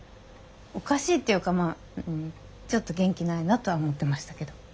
おかしいっていうかまあちょっと元気ないなとは思ってましたけど。